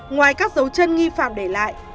ngoài các dấu chân nghi phạm để lại